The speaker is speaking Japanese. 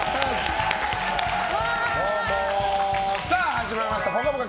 始まりました「ぽかぽか」